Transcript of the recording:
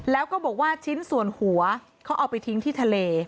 แล้วก็บอกว่าชิ้นส่วนหัวเขาเอาไปทิ้งที่ทะเล